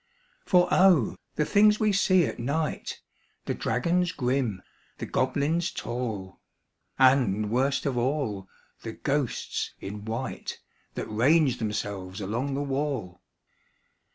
For O! the things we see at night The dragons grim, the goblins tall, And, worst of all, the ghosts in white That range themselves along the wall!